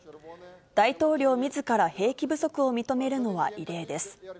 大統領みずから兵器不足を認めるのは異例です。